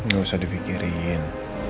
gak usah di fikirin